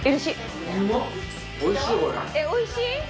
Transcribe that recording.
おいしい？